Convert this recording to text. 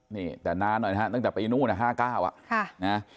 นี่แต่นานหน่อยนะครับตั้งแต่ไปนู่น๕๙